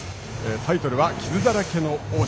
タイトルは「傷だらけの王者」。